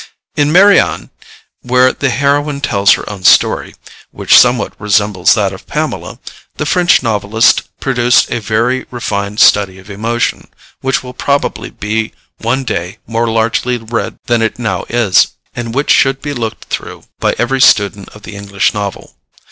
In Marianne, where the heroine tells her own story, which somewhat resembles that of Pamela, the French novelist produced a very refined study of emotion, which will probably be one day more largely read than it now is, and which should be looked through by every student of the English novel.